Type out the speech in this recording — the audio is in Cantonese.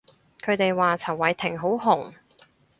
佢哋話陳偉霆好紅